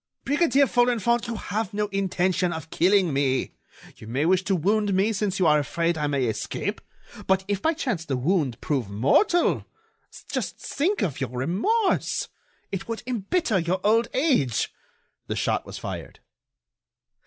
"Brigadier Folenfant, you have no intention of killing me; you may wish to wound me since you are afraid I may escape. But if by chance the wound prove mortal? Just think of your remorse! It would embitter your old age." The shot was fired.